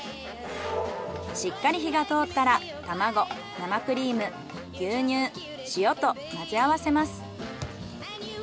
しっかり火が通ったら卵生クリーム牛乳塩と混ぜ合わせます。